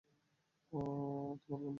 ও তোমার বন্ধু?